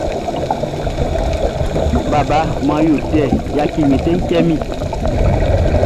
Baba man yo tɛ, yatchi mi tɛ tchɛ mi he.